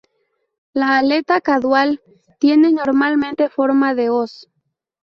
La aleta caudal tiene normalmente forma de hoz.